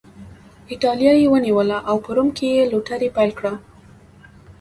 اېټالیا یې ونیوله او په روم کې یې لوټري پیل کړه